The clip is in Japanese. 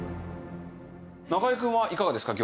中井くんはいかがですか？